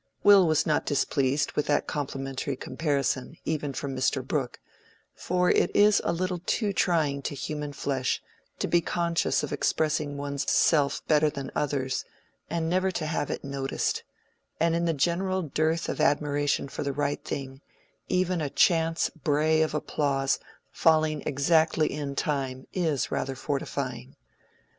Will was not displeased with that complimentary comparison, even from Mr. Brooke; for it is a little too trying to human flesh to be conscious of expressing one's self better than others and never to have it noticed, and in the general dearth of admiration for the right thing, even a chance bray of applause falling exactly in time is rather fortifying.